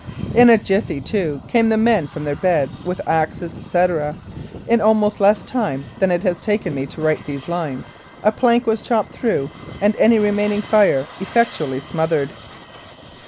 In a jiffy, too, came the men from their beds with axes, etc. ; in almost less time than it has taken me to write these lines a plank was chopped through and any remaining fire effectually smothered.